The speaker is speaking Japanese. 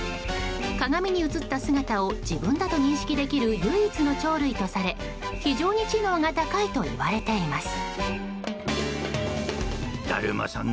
鏡に映った姿を自分だと認識できる唯一の鳥類とされ非常に知能が高いといわれています。